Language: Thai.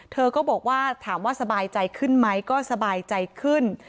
เธอก็บอกว่าถามว่าสบายใจขึ้นไหมก็สบายใจขึ้น